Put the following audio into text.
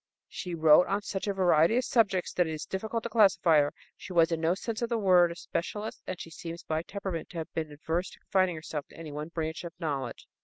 She wrote on such a variety of subjects that it is difficult to classify her. She was in no sense of the word a specialist, and she seems by temperament to have been averse to confining herself to any one branch of knowledge.